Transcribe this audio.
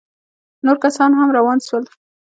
نور کسان هم روان سول.